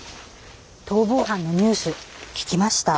逃亡犯のニュース聞きました？